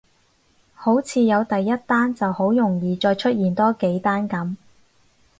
好似有第一單就好容易再出現多幾單噉